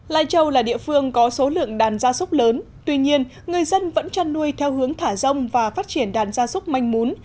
lai châu là địa phương có số lượng đàn gia súc lớn tuy nhiên người dân vẫn chăn nuôi theo hướng thả rông và phát triển đàn gia súc manh mún